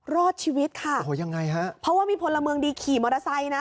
รอดชีวิตค่ะโอ้โหยังไงฮะเพราะว่ามีพลเมืองดีขี่มอเตอร์ไซค์นะ